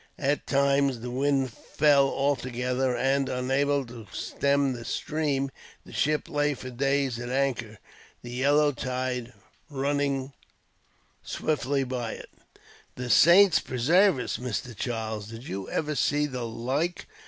At times the wind fell altogether and, unable to stem the stream, the ship lay for days at anchor, the yellow tide running swiftly by it. "The saints presarve us, Mr. Charles! Did you ever see the like?"